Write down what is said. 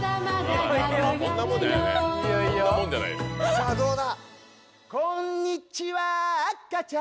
さあどうだ？